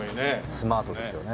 スマートですよね。